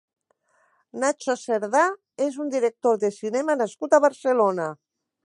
Nacho Cerdà és un director de cinema nascut a Barcelona.